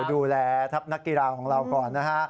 ดูแลทัพนักกีฬาของเราก่อนนะฮะ